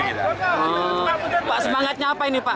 pak semangatnya apa ini pak